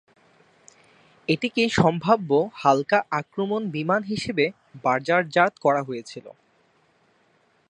এটিকে সম্ভাব্য হালকা আক্রমণ বিমান হিসেবে বাজারজাত করা হয়েছিল।